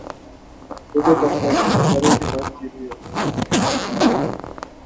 huko kaskazini mashariki mwa nchi hiyo